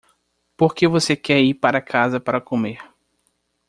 Por que você quer ir para casa para comer?